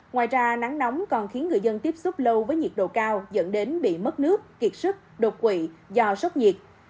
ngoài ra nắng nóng còn khiến người dân tiếp xúc lâu với nhiệt độ cao dẫn đến bị mất nước kiệt sức đột quỵ do sốc nhiệt